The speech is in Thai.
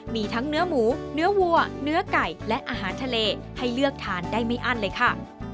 มีทั้งเนื้อหมูเนื้อวัวเนื้อไก่และอาหารทะเลให้เลือกทานได้ไม่อั้นเลยค่ะ